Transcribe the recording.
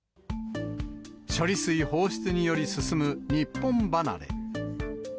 処理水放出により進む日本離れ。